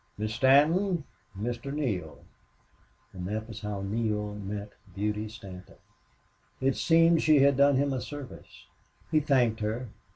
Miss Stanton Mr. Neale." And that was how Neale met Beauty Stanton. It seemed she had done him a service. He thanked her.